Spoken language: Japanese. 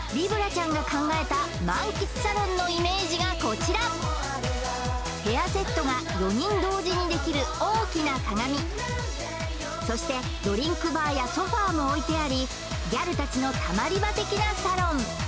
ちゃんが考えた満喫サロンのイメージがこちらヘアセットが４人同時にできる大きな鏡そしてドリンクバーやソファーも置いてありギャルたちのたまり場的なサロン